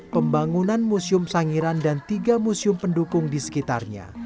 pembangunan museum sangiran dan tiga museum pendukung di sekitarnya